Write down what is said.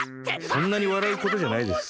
そんなにわらうことじゃないです。